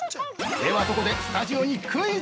◆ではここでスタジオにクイズ！